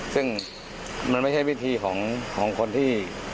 ซึ่งมันไม่ใช่วิธีของคนที่